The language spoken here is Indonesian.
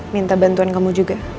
minta bantuan kamu juga